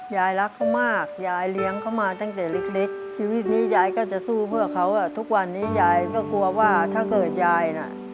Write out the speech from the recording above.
ยายรักเขามากยายเลี้ยงเขามาตั้งแต่เล็กชีวิตนี้ยายก็จะสู้เพื่อเขาอ่ะทุกวันนี้ยายก็กลัวว่าถ้าเกิดยายน่ะ